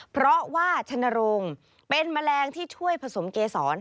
เพราะว่าชนโรงเป็นแมลงที่ช่วยผสมเกษร